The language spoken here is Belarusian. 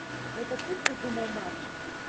Гэта ты прыдумаў марш?